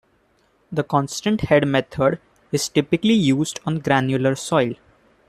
The constant-head method is typically used on granular soil.